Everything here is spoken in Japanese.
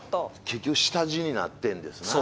結局下地になってんですな。